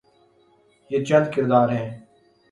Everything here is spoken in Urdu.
یہ چند کردار ہیں۔